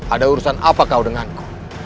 ada urusan apa kau denganku